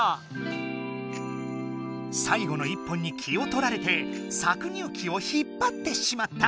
さいごの１本に気をとられてさく乳機を引っぱってしまった。